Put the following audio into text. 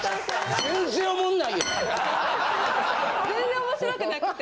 全然面白くなくて。